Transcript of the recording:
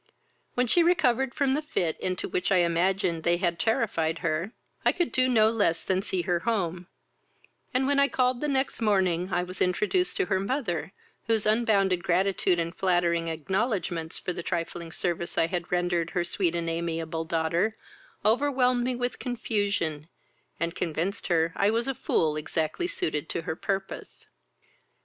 "When she recovered from the fit into which I imagined they had terrified her, I could do no less than see her home; and, when I called the next morning, I was introduced to her mother, whose unbounded gratitude and flattering acknowledgments, for the trifling service I had rendered her sweet and amiable daughter, overwhelmed me with confusion, and convinced her I was a fool exactly suited to her purpose.